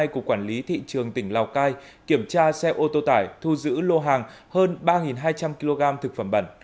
của quản lý thị trường tỉnh lào cai kiểm tra xe ô tô tải thu giữ lô hàng hơn ba hai trăm linh kg thực phẩm bẩn